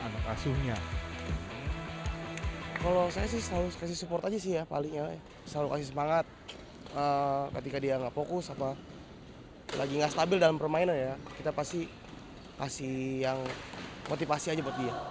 memahami psikologi anak asuhnya